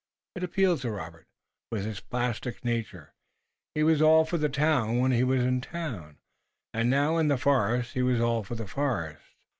It appealed to Robert. With his plastic nature he was all for the town when he was in town, and now in the forest he was all for the forest.